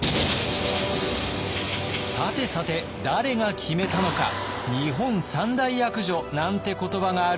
さてさて誰が決めたのか「日本三大悪女」なんて言葉があるそうで。